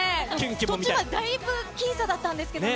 途中までだいぶ僅差だったんですけどね。